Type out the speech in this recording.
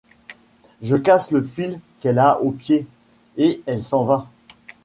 Je casse le fil qu’elle a au pied, et elle s’en va.